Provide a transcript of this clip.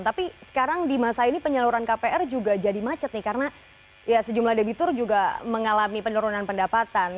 tapi sekarang di masa ini penyaluran kpr juga jadi macet nih karena ya sejumlah debitur juga mengalami penurunan pendapatan